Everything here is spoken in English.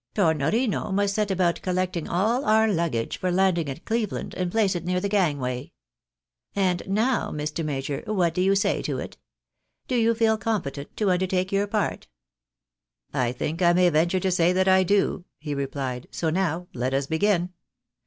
Tornorino must set about collecting aU our luggage for landing at Cleveland, and place it near the gangway. And now, Mr. Major, INOKEDUl^lTY OF PATTY. 301 what do you say to it ? Do you feel competent to undertake your part?" " I ttdnk I may venture to say that I do," he replied ;" so now let us begin.